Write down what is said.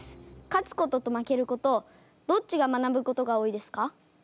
勝つことと負けることどっちが学ぶことが多いですか？